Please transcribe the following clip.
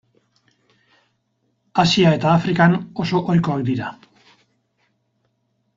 Asia eta Afrikan oso ohikoak dira.